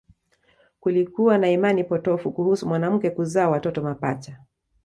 Kulikuwa na imani potofu kuhusu mwanamke kuzaa watoto mapacha